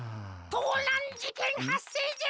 とうなんじけんはっせいじゃ！